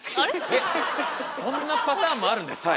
えっそんなパターンもあるんですか？